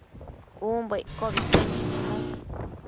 umbo iccobi que nidnu